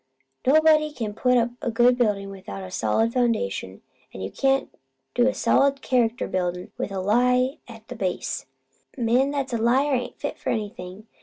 Nobody can put up a good buildin' without a solid foundation; an' you can't do solid character buildin' with a lie at the base. Man 'at's a liar ain't fit for anything!